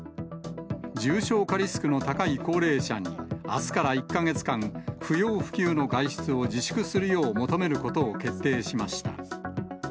重症化リスクの高い高齢者に、あすから１か月間、不要不急の外出を自粛するよう求めることを決定しました。